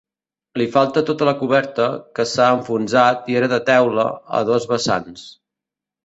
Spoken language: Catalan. Li falta tota la coberta, que s'ha enfonsat i era de teula, a dos vessants.